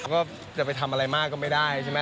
ก็จะไปทำอะไรมากก็ไม่ได้ใช่ไหม